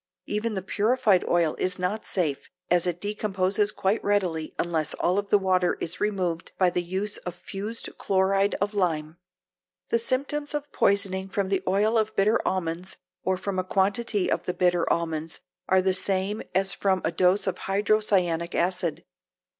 Even the purified oil is not safe, as it decomposes quite readily unless all of the water is removed by the use of fused chloride of lime. The symptoms of poisoning from the oil of bitter almonds, or from a quantity of the bitter almonds, are the same as from a dose of hydrocyanic acid.